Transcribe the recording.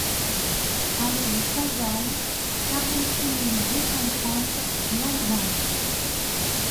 Allées du Fajal, quarante-six mille deux cent trente Lalbenque